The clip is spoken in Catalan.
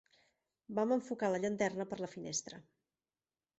Vam enfocar la llanterna per la finestra